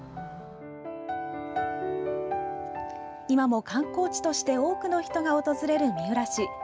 今も観光地として多くの人が訪れる三浦市。